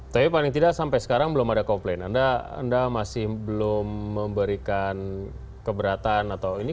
tapi paling tidak sampai sekarang belum ada komplain anda masih belum memberikan keberatan atau ini